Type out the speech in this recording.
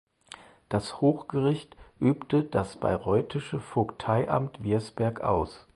Das Hochgericht übte das bayreuthische Vogteiamt Wirsberg aus.